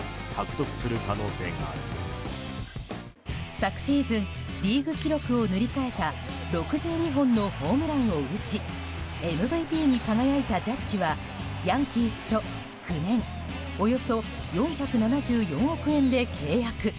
昨シーズンリーグ記録を塗り替えた６２本のホームランを打ちＭＶＰに輝いたジャッジはヤンキースと９年およそ４７４億円で契約。